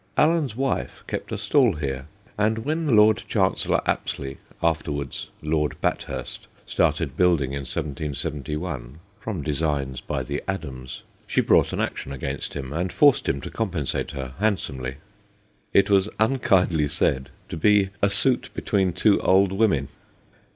Allen's wife kept a stall here, and when Lord Chancellor Apsley, afterwards Lord Bathurst, started building in 1771 HIS EYES 159 (from designs by the Adams) she brought an action against him, and forced him to compensate her handsomely. It was un kindly said to be a suit between two old women.